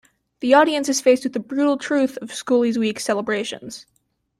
The audience is faced with the brutal truth of Schoolies Week celebrations.